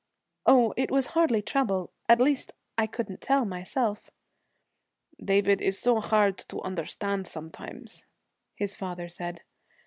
'Oh, it was hardly trouble at least, I couldn't tell myself.' 'David is so hard to understand sometimes,' his father said.